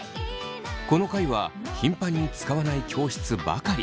この階は頻繁に使わない教室ばかり。